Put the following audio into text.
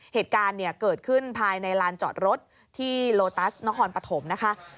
เหตุการณ์เนี่ยเกิดขึ้นภายในลานจอดรถที่โลตัสนครปฐมนะคะ